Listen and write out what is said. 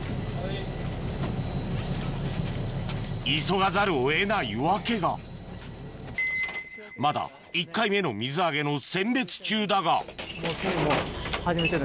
急がざるを得ない訳がまだ１回目の水揚げの選別中だが次もう始めちょる。